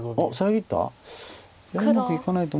いやうまくいかないと。